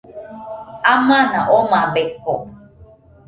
Amana omabeko.